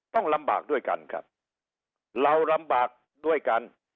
ต้องลำบากด้วยกันครับเราลำบากด้วยกัน